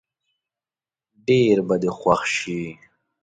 ډېر به دې خوښ شي.